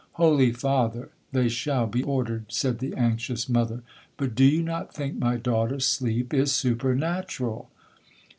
'—'Holy Father, they shall be ordered,' said the anxious mother—'but do you not think my daughter's sleep is supernatural?'